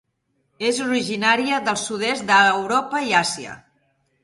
És originària del sud-est d'Europa i Àsia.